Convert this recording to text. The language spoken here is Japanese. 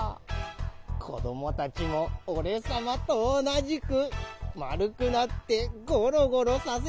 こどもたちもおれさまとおなじくまるくなってゴロゴロさせてやるゴロ！